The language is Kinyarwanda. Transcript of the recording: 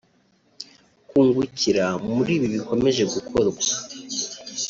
kungukira muri ibi bikomeje gukorwa